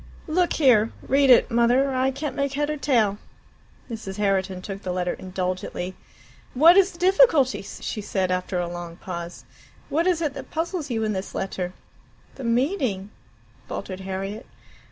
"Look here, read it, Mother; I can't make head or tail." Mrs. Herriton took the letter indulgently. "What is the difficulty?" she said after a long pause. "What is it that puzzles you in this letter?" "The meaning " faltered Harriet.